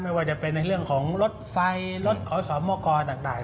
ไม่ว่าจะเป็นในเรื่องของรถไฟรถขอสมกรต่าง